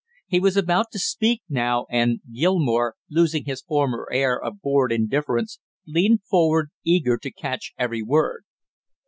He was about to speak now, and Gilmore, losing his former air of bored indifference, leaned forward, eager to catch every word.